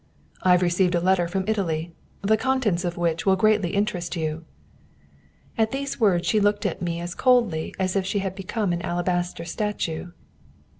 "I have received a letter from Italy, the contents of which will greatly interest you." At these words she looked at me as coldly as if she had become an alabaster statue.